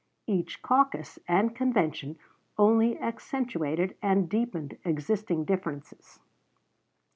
Each caucus and convention only accentuated and deepened existing differences.